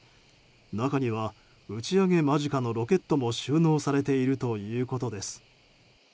中には打ち上げ間近のロケットも収納されているということです。